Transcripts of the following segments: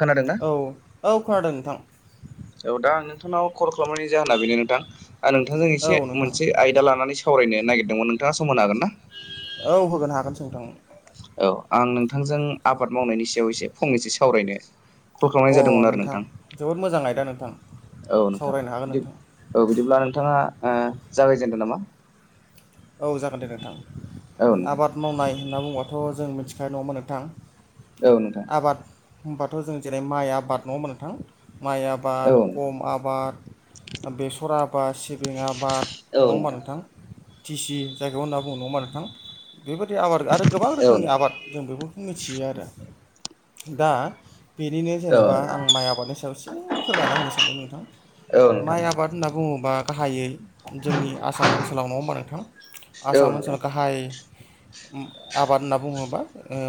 खोनादोंना- औ औ खोनादों नोंथां औ दा आं नोंथांनाव कल खालामनायनि जाहोना बेनो नोंथां नोंथांजों एसे औ नोंथां मोनसे आयदा लानानै सो सावरायनो नागिरदोंमोन नोंथाङा सम होनो हागोन ना औ होगोनो हागोनसों नोंथां औ आं नोंथांजों आबाद मावनायनि सायाव एसे फंनैसो सावरायनो कल खालामनाय अ जादोंमोन आरो नोंथां जोबोद मोजां आयदा नोंथां औ नोंथां सावरायनो हागोन बि नोंथां औ बिदिब्ला नोंथाङा जागायजेनदों नामा औ जागोन दे औ नोंथां नोंथां आबाद मावनाय होनना बुंबाथ' जों मिथिखायो नङाहोमबा नोंथां औ नोंथां आबाद होनबाथ' जों जेरै माइ आबाद नङ मोन नोंथां माइ औ आबाद आबाद नोंथां खम आबाद बेसर आबाद सिबिं आबाद नङा होमबा नोंथां टिसि जायगायाव होनना बुङोङोमा नोंथां बेबायदि आबाद आरो गोबां औ नोंथां औ नोंथां औ नोंथां औ रोखोमनि नोंथां आबाद जों बेफोरखौ मिथियो आरो दा बेनिनो औ जेनेबा आं माइ आबादनि सायाव एसे फोरमायना होनो सानदों नोंथां औ औ माइ नोंथां आबाद होनना बुङोबा गाहायै जोंनि आसाम ओनसोलाव नङा हबा नोंथां आसाम ओनसोलाव गाह हाइ आबाद होनना बुङोबा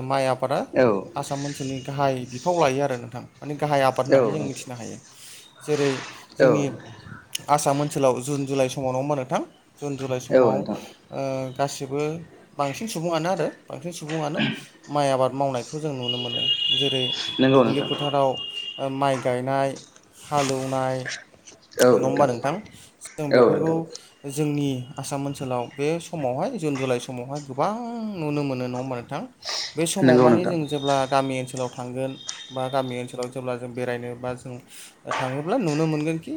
माइ आबादा आसाम मोनसाम ओनसोलनि गाहाय बिफाव लायो आरो नोंथां माने गाहाय आबाद होननानै जों मिथिनो हायो जेरै जोंनि आसाम ओनसोलाव जुन जुलाइ समाव नङा होमबा नोंथां जुन जुलाइ समाव गासिबो बांसिन सुबुङानो आरो बांसिन सुबुङानो माइ आबाद मावनायखौ जों नुनो मोनो जेरै नंगौ दुब्लि नोंथां फोथाराव माइ गायनाय हालेवनाय नङा हबा नोंथां जों औ बेफोरखौ नोंथां जोंनि आसाम ओनसोलाव बे समावहाय जुन जुलाइ समावहाय गोबां नुनो मोनो नङा होमबा नोंथां बे समाव नंगौ मानि नोंथां जों जेब्ला गामि ओनसोलाव थांगोन बा गामि ओनसोलाव जेब्ला जों बेरायनो बा जों थाङोब्ला नुनो मोनगोन कि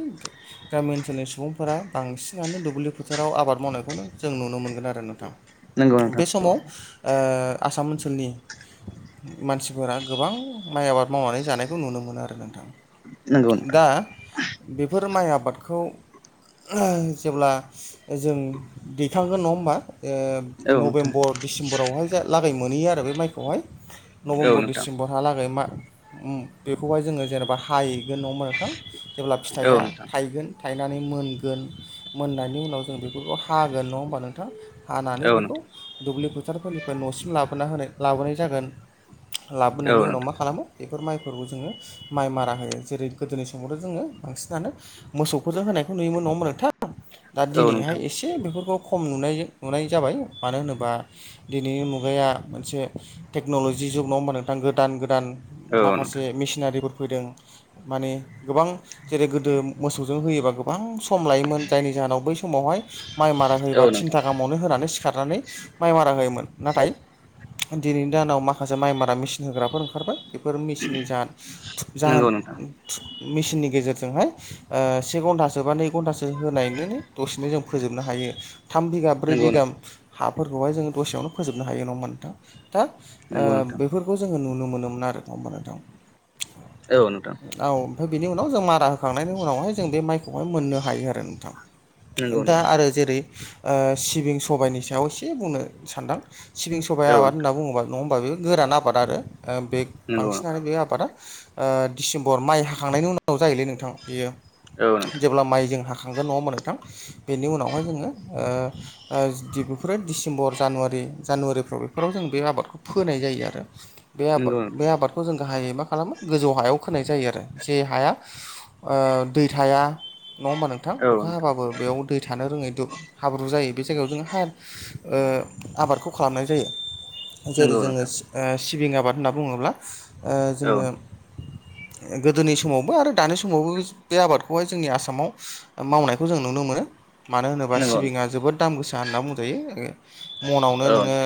गामि ओनसोलनि सुबुंफोरा बांसिनानो दुब्लिफोथार आव आबाद मावनायखौनो जों नुनो मोनगोन आरो नोंथां नंगौ नोंथां बे समाव आसाम ओनसोलनि मानसिफोरा गोबां माइ आबाद मावनानै जानायखौ नुनो मोनो आरो नोंथां नंगौ नोंथां दा बेफोर माइ आबादखौ जेब्ला जों दैखांगोन नङा होमबा औ नोंथां नभेम्बर डिसेम्बरावहाय लागाय मोनहैयो आरो बे माइखौहाय औ नभेम्बर नोंथां डिसेम्बर हालागै मा बेखौहाय जोङो जेनेबा हाहैगोन न'आव मथां जेब्ला औ फिथाइया नोंथां थायगोन थायनानै मोनगोन मोननायनि उनाव जों बेफोरखौ हागोन नङा होमबा नोंथाङा हानानै औ बेखौ नोंथां दुब्लि फोथारफोरनिफ्राय न'सिम लाबोना होनाय लाबोनाय जागोन औ लाबोनायनि उनाव नोंथां मा खालामो बेफोर माइफोरखौ जोङो माइ मारा होयो जेरै गोदोनि समावथ' जोङो बांसिनानो मोसौखौ ज होनायखौ नुयोमोन नङोन नोंथां दा औ दिनैहाय नोंथां एसे बेफोरखौ खम नुनाय नुनाय जाबाय मानो होनोबा दिनैनि मुगाया मोनसे टेक्न'लजि जुग नङा होमबा नोंथां गोदान गोदान औ नोंथां माखासे मेसिनारिफोर फैदों माने गोबां जेरै गोदो मोसौजों होयोबा गोबां सम लायोमोन जायनि जाहोनाव बै समावहाय माइ मारा औ होयोबा नोंथां थिनथा गाहामावनो होनानै सिखारनानै माइ मारा होयोमोन नाथाय दिनैनि दानाव माखासे माइ मारा मेसिन होग्राफोर ओंखारबाय बेफोर मेचिननि जाह नंगौ जाहोन नोंथां मेसिननि गेजेरजोंहाय से घन्टासो बा नै घन्टासो होनाय दसेनो जों फोजोबनो हायो थाम बिगा ब्रै नंगौ बिगा नोंथां हाफोरखौहाय जोङो दसेयावनो फोजोबनो हायो नङा नोंथां दा नंगौ नोंथां बेफोरखौ जोङो नुनो मोनोमोन आरो ना होमबा नोंथां [unintelligible] औ ओमफ्राय बेनि उनाव जों मारा होखांनायनि उनावहाय जों बे माइखौहाय मोननो हायो आरो नोंथां। नंगौ दा नोंथां आरो जेरै सिबिं सबायनि सायाव एसे बुंनो सान्दां। सिबिं सबाय औ आबाद नोंथां होनना बुङोबा नङा होमबा बे गोरान आबाद आरो बे नंगौ बांसिनानो नोंथां बे आबादा। डिसेम्बर माइ हाखांनायनि उनाव जायोलै नोंथां बेयो। औ नोंथां जेब्ला माइजों हाखांगोन नंङा होनबा नोंथां बेनि उनावहाय जोङो बेफोरो डिसेम्बर जानुवारि जानुवारिफ्राव बेफोराव जों बे आबादखौ। फोनाय जायो आरो बे आबाद नंगौ नोंथां बे आबाद। खौ जों गाहायै मा खालामो गोजौ हायाव खोनाय जायो आरो जे हाया। दै थाया नङा होमबा नोंथां औ नंगौ औ अखा हाबाबो। बेयाव दै थानो रोङै हाब्रु जायो बे जायगायाव जों हा। आबादखौ खालामनाय जायो। जेरै नंगौ जोङो नोंथां सिबिं आबाद होनना बुङोब्ला औ जोङो। गोदोनि समावबो आरो दानि समावबो बे आबादखौहाय जोंनि आसामाव मावनायखौ जों। नुनो मोनो मानो होनोबा सिबिं जोबोद दाम गोसा होनना बुंजायो। मनावनो नोङो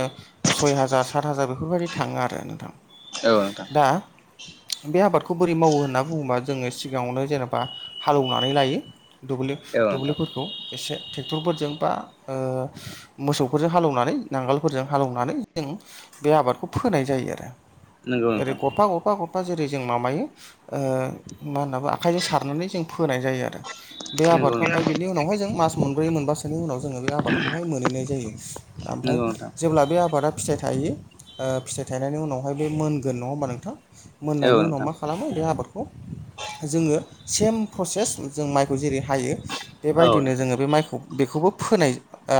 सय हाजार सात हाजार बेफोरबायदि थाङो आरो नोंथां। औ नोंथां दा बे आबादखौ बोरै मावो होनना बुङोबा जोङो सिगाङावनो जेनेबा हालौवनानै लायो। दुब्लि औ नोंथां दुब्लिफोरखौ एसे ट्रेक्टरफोरजों बा ओ। मोसौफोरजों हालेवनानै नांगोलफोरजों हालौवनानै जों बे आबादखौ फोनाय जायो आरो। नंगौ ओरै नोंथां गफा गफाफा फा जेरै जों माबायो मा होनना बो आखाइजों सारनानै जों फोनाय जायो आरो। बे नंगौ आबाद। ओमफ्राय नोंथां बेनि उनावहाय जों मास मोनब्रै मोनबासोनि उनाव जोङो बे आबादखौहाय मोनहैनाय जायो ओमफफ्राय। नंगौ नोंथां जेब्ला बे आबादा फिथाइ थायो फिथाइ थायनायनि उनावहाय बे मोनगोन नङा होमबा नोंथां। औ मोननायनि उनाव नोंथां मा खालामो बे आबादखौ। जोङो सेम प्रसेस जों माइखौ जेरै हायो। औ बेबायदिनो नोंथां जोङो बे माइखौ बेखौबो फोनाय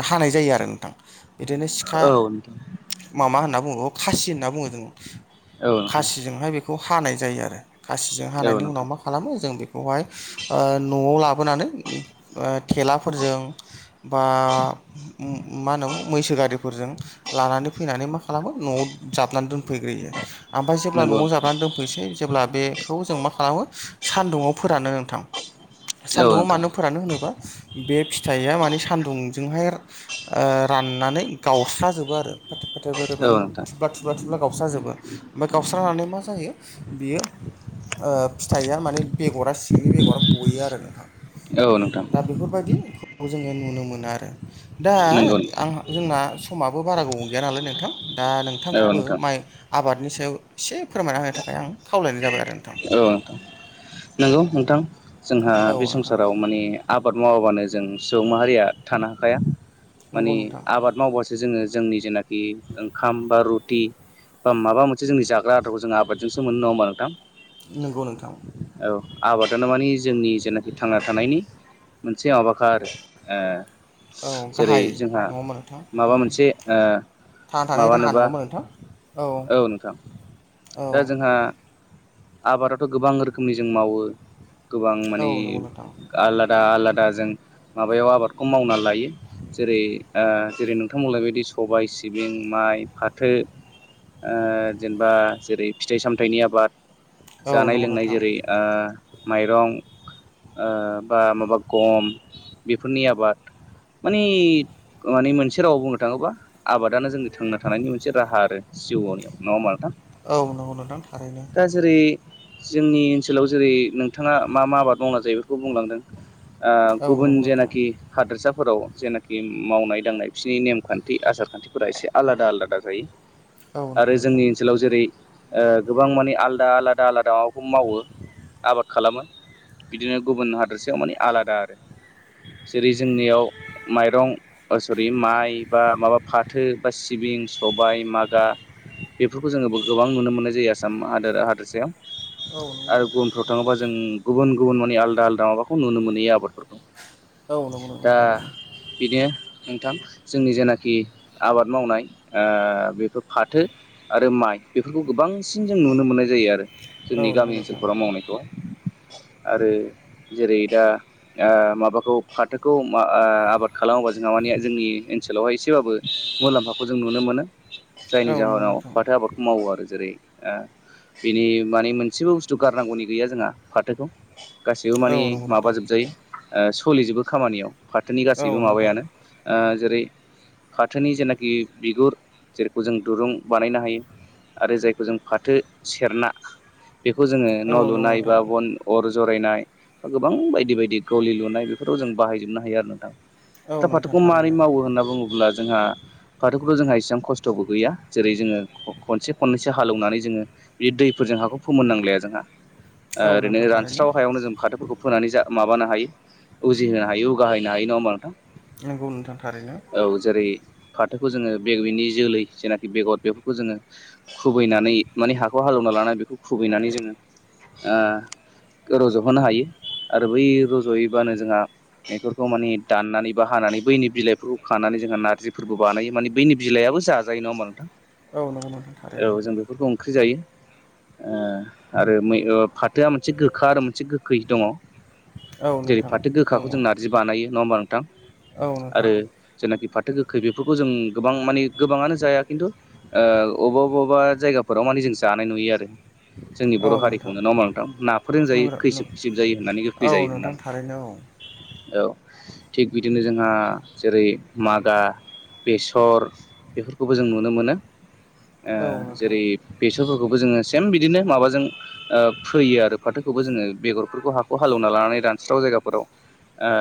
हानाय जायो आरो नोंथां। बिदिनो सिखा माबा होनना बुङो खासि होनना बुङो जोङो। औ नोंथां खासिजोंहाय बेखौ हानाय जायो आरो खासिजों औ हानायनि उनाव नोंथां मा खालामो जों बेखौहाय। ओ न'आव लाबोनानै बा थेलाफोरजों बा। मानो मैसो गारिफोरजों लानानै फैनानै मा खालामो न'आव जाबनानै दोनफैग्रोयो। ओमफ्राय जेब्ला नंगौ न'आव जाबनानै दोनफैसै जेब्ला बेखौ जों मा खालामो सान्दुङाव फोरानो नोंथां। औ नोंथां औ नोंथां औ सान्दुंङाव नोंथां मानो फोरानो होनोब्ला बे फिथाइया माने सान्दुंजोंहाय। ओ राननानै गावस्राजोबो आरो फाथे, फाथे माने थुब्ला थुब्ला थुब। गावस्राजोबो ओमफाय गावस्रानानै मा जायो। बियो ओ फिथाइया माने बेगरा सिंनि बेगरा गयो आरो नोंथां। औ नोंथां। दा बेफोरबायदिखौ जोङो नुनो मोना आरो। दा आंहा जोंना समाबो बारा गोबाव गैया नालाय नोंथां दा औ नोंथांखौबो नोंथां माइ। आबादनि सायाव एसे फोरमायना होनो थाखाय आं खावलायनाय जाबाय आरो नोंथां। औ नोंथां नंगौ नोंथां जोंहा औ बे नोंथां संसाराव माने आबाद मावाबानो जों सुबुं माहारिया थानो हाखाया नंगौ मानि नोंथां आबाद मावबासो जोङो जोंनि जेनाखि ओंखाम, बा रुटि बा माबा मोनसे जोंनि जाग्रा आदारखौ जों आबादजोंसो मोननो नङा होमबा नोंथां। नंगौ नोंथां। औ आबादानो मानि जोंनि जेनाखि थांना थानायनि मोनसे माबाखा आरो ओ औ जेरै गाहाय जोंहा नङा होमबा नोंथां माबा उम मोनसे ओ थांना थानाय राहा माबानोबा नङामोन नोंथां। औ नोंथां औ दा जोंहा आबादाथ' गोबां रोखोमनि जों मावो गोबां मानि औ नंगौ नोंथां आलादा, आलादा जों माबायाव आबादखौ मावनानै लायो। जेरै आ जेरै नोंथांमोनलायबायदि सबाय, सिबिं, माइ, फाथो। ओ जेनेबा जेरै फिथाइ -सामथायाइनि आबाद। औ जानाय - नंगौ लोंनाय नोंथां जेरै आ माइरं आ बा माबा गम बेफोरनि आबाद मानि माने मोनसे रावाव बुंनो थाङोबा आबादानो जोंनि थांना थानायनि मोनसे राहा आरो जिउवनिआव नङा होमा नोंथां। औ नंगौ नोंथां थारैनो। दा जेरै जोंनि ओनसोलाव जेरै नोंथाङा मा मा आबाद मावना जायो खौ बुंलांदों औ गुबुन नंगौ नोंथां जेनाखि हादोरसाफोराव जेनाखि मावनाय- दांनाय बिसोरनि नेमखान्थि, आसार- खान्थि एसे आलादा, आलादा जायो औ नंगौ आरो जोंनि नोंथां ओनसोलाव जेरै ओ गोबां माने आलदा, आलादा, आलादा माबाखौ मावो आबाद खालामो। बिदिनो गुबुन हादोरसायाव माने आलादा आरो। जेरै जोंनियाव माइरं ओ सरि माइ बा माबा फाथो बा सिबिं, सबाय, मागा बेफोरखौ जोङो गोबां नुनो मोननाय जायो आसाम हादोर हादोरसायाव। औ नंगौ आरो नोंथां थारैनो गुबुनफ्राव थाङोबा जों गुबुन, गुबुन माने आलदा, आलदा माबाखौ नुनो मोनहैयो आबाद। औ नंगौ, नंगौ थारैनो। बिनो नोंथां जोंनि जेनाखि आबाद मावनाय बेफोर फाथो आरो माइ बेफोरखौ गोबांसिन जों नुनो मोननाय जायो आरो औ जोंनि नंगौ गामि नोंथां ओनसोलफोराव मावनायखौहाय। आरो जेरै दा आ माबाखौ फाथोखौ आबाद खालामोबा जोंहा माने जोंनि ओनसोलावहाय एसेबाबो मुलाम्फाखौ जों नुनो मोनो। जायनि औ नंगौ जाहोनाव नोंथां फाथो आबादखौ मावो आरो जेरै ओ बिनि माने मोनसेबो बुस्थु गारनांगौनि गैया जोंहा फाथोखौ। गासैबो मानि औ नंगौ नोंथां माबाजोबजायो सोलिजोबो खामानियाव फाथोनि औ गासैबो नोंथां माबायानो। ओ जेरै फाथोनि जेनाखि बिगुर जेरैखौ जों दुरुं बानायनो हायो आरो जायखौ जों फाथो सेरना बेखौ जोङो औ न' नंगौ लुनाय बा नोंथां बन अर जरायनाय बा गोबां बायदि बायदि गलि लुनाय बेफोराव जों बाहायजोबनो हायो आरो। औ दा नोंथां फाथोखौ मारै थारैनो मावो होनना बुङोब्ला जोंहा फाथोखौथ' जोंहा एसेबां खस थ'बो गैया जेरै जोङो ख-खनसे खननैसो हालेवनानै जोङो बि दैफोरजों हाखौ फोमोन नांलाया जोंहा औ ओरैनो नोंथां थारैनो रानस्राव हायावनो जों फाथोफोरखौ फोनानै जा माबानो हायो उजिहोनो हायो उगाहैनो हायो नङा होमबा नोंथां। नंगौ नोंथां थारैनो। औ जेरै फाथोखौ जोङो बेयैनि जोलै जेनाखि बेगद बेफोरखौ जोङो खुबैनानै माने हाखौ हालेवना लानानै बेखौ खुबैनानै जोङो ओ रज'होनो हायो आरो बै रज'यैबानो जोंहा बेफोरखौ माने दाननानै बा हानानै बैनि बिलाइफोरखौ खानानै जोंहा नारजिफोरबो बानायो माने बैनि बिलाइआबो जाजायो नङा होमबा नोंथां? औ नंगौ नोंथां थारैनो औ जों बेफोरखौ ओंख्रि जायो ओ आरोै मै ओ फा थोआ मोनसे गोखा आरो मोनसे गोखै दङ औ जेरै नोंथां फाथो दङ गोखाखौ जों नार जि बानायो नङा होमबा नोंथां औ नोंथां आरो जेनाखि फाथो गोखै बेफोरखौ जों गोबां माने गोबाङानो जाया खिन्थु ओ अबावबा बबावबा जायगाफोराव माने जों जानाय नुयो आरो जोंनि बर' औ नोंथां हारिखौनो नङा होमबा नोंथां नाफोरजों जायो नों खैसोब खैसोब जायो होननानै औ गोखै जायो नोंथां होननानै थारैनो औ थिग बिदिनो जोंहा जेरै मादा बेसर बेफोरखौबो जों नुनो मोनो ओ औ नोंथां जेरै बेसरफोरखौबो जोङो सेम बिदिनो माबाजों ओ फैयो आरो फाथोखौबो जोङो बेगरफोरखौ हाखौ हालेवना लानानै रानस्राव जायगाफोराव ओ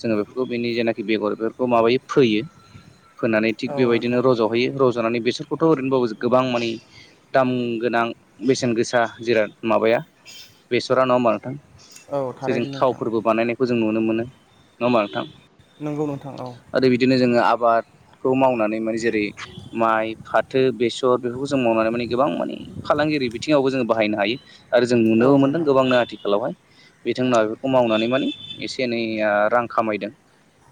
जोङो बेफोरखौ बेनि जेनाखि बेगर बेफोरखौ माबायो फोयो फोनानै थिग औ बेबायदिनो नोंथां रज'हैयो रज'नानै बेसरखौथ' ओरैनोबाबो गोबां माने दाम गोनां बेसेन गोसा जिराद माबाया बेसरा नङा होमबा नोंथां औ जेजों थारैनो नोंथां थावफोरबो बानायनायखौ जों नुनो मोनो नङा होमबा नोंथां? नंगौ नोंथां औ आरो बिदिनो जोङो आबादखौ मावनानै माने जेरै माइ फाथो बेसर बेफोरखौ जों मावनानै माने गोबां माने फालांगियारि बिथिङावबो जोङो बाहायनो हायो आरो जों औ नुनोबो मोनदों नोंथां गोबांनो आथिखालावहाय बिथांमोनहा बेफोरखौ मावनानै माने एसे एनैया रां खामायदों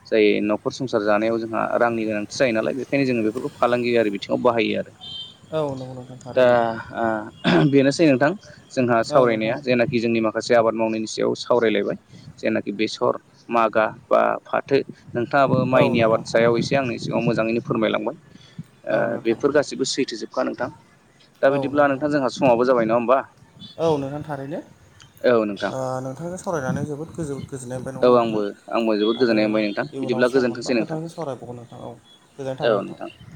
जाय नखर संसार जानायाव जोंहा रांनि गोनांथि जायो नालाय बेखायनो जोङो बेफोरखौ फालांगियारि बिथिङाव बाहायो आरो [inaudible] औ नंगौ नोंथां दा थारैनो ओ बेनोसै नोंथां जोंहा औ नोंथां सावरायनाया जेना खि माखासे आबाद मावनायनि सायाव सावरायलायबाय जेनाखि बेसर मागा बा फाथो नोंथाङाबो औ माइनि नोंथां आबाद सायाव थारैनो एसे आंनि सिगाङाव मोजाङैनो फोरमायलांबाय ओ औ नोंथां बेफोर गासिबो सैथोजोबखा नोंथां दा बिदिब्ला नोंथां जोंहा समाबो जाबाय नङा होमबा औ नोंथां थारैनो औ नोंथां ओ नोंथांजों सावरायनानै जोबोद गोजौ गोजोननाय मोनबाय नङा औ होमबा आंबो आंबो जोबोद नोंथां आरो गोजोननाय मोनबाय नोंथां इयुनाव बिदिब्ला सम गोजोनथोंसै मोनबा नोंथां नोंथांजों सावरायबावगोन नोंथां औ गोजोननाय औ थाबाय नोंथां नोथां